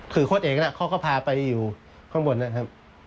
คือโค้ดเอกเขาก็พาไปอยู่ข้างบนนะครับ